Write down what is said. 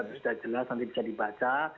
itu sudah jelas nanti bisa dibaca